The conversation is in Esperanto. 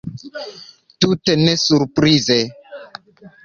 Tute ne surprize.